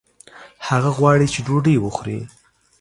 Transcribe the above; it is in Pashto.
هغه غواړي چې ډوډۍ وخوړي